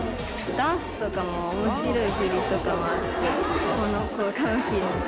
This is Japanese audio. ダンスとかもおもしろい振りとかもあって、この、こういう。